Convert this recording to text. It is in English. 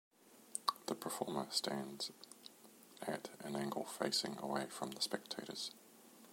The performer stands at an angle facing away from the spectators.